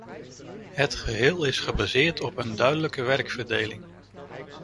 Het geheel is gebaseerd op een duidelijke werkverdeling.